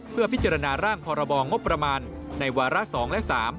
เพื่อพิจารณาร่างพรบงบประมาณในวาระ๒และ๓